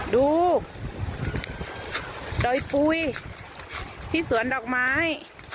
ดอยปุ๋ยที่สวนดอกไม้